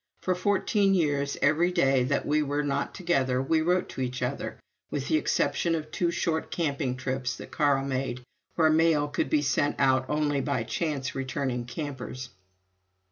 For fourteen years, every day that we were not together we wrote to each other, with the exception of two short camping trips that Carl made, where mail could be sent out only by chance returning campers.